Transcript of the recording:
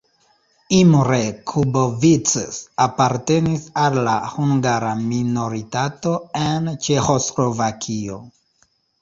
Imre Kubovics apartenis al la hungara minoritato en Ĉeĥoslovakio.